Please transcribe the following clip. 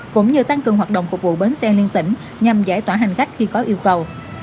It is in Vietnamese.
cũng như tăng cường hoạt động phục vụ bến xe liên tỉnh nhằm giải tỏa hành khách khi có yêu cầu